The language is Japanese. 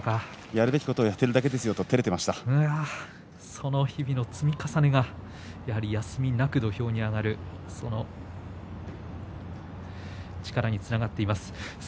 やるべきことをやっているだけですよとその積み重ねが休みなく土俵に上がるという力につながっています。